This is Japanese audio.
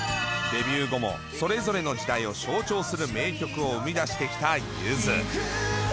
デビュー後もそれぞれの時代を象徴する名曲を生み出してきたゆず。